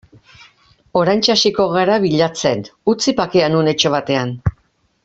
Oraintxe hasiko gara bilatzen, utzi bakean unetxo batean.